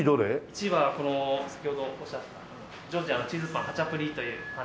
１位はこの先ほどおっしゃってたジョージアのチーズパンハチャプリというパンです。